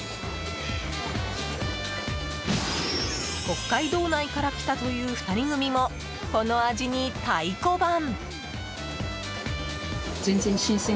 北海道内から来たという２人組も、この味に太鼓判！